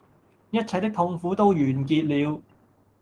一切的痛苦都完結了